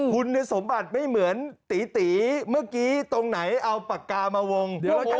คุณสมบัติไม่เหมือนตีเมื่อกี้ตรงไหนเอาปากกามาวง